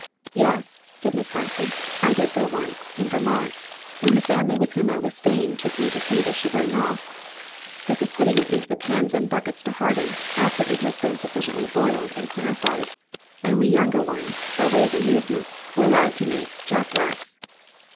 "Yes," said Miss Harson; "I did go once, in Vermont, when the family with whom I was staying took me to see the 'sugaring off.' This is putting it into the pans and buckets to harden after it has been sufficiently boiled and clarified; and we younger ones, by way of amusement, were allowed to make jack wax."